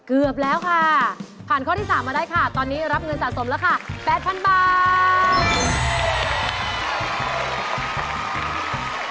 เกือบแล้วค่ะผ่านข้อที่๓มาได้ค่ะตอนนี้รับเงินสะสมแล้วค่ะ๘๐๐๐บาท